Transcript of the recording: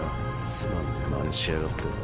つまんねぇまねしやがって。